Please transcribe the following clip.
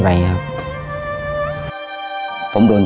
เพื่อนพร้อมเตรียม